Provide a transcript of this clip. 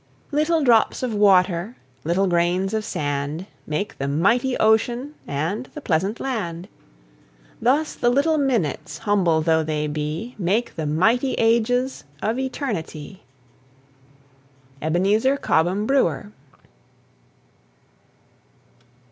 Little drops of water, Little grains of sand, Make the mighty ocean And the pleasant land. Thus the little minutes, Humble though they be, Make the mighty ages Of eternity. EBENEZER COBHAM BREWER.